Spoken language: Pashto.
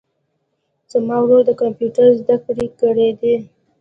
زما ورور د کمپیوټر زده کړي کړیدي